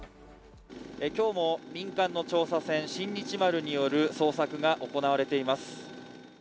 今日も民間の調査船「新日丸」による捜索が行われています。